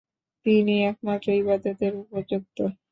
তিনিই একমাত্র ইবাদাতের উপযুক্ত।